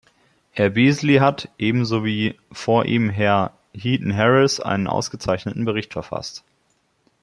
Herr Beazley hat, ebenso wie vor ihm Herr Heaton-Harris, einen ausgezeichneten Bericht verfasst.